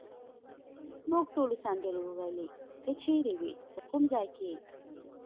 موږ ټولو سندرې وویلې، ته چیرې وې، په کوم ځای کې؟